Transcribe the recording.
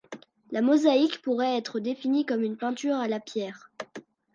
La mosaïque pourrait être définie comme une peinture à la pierre.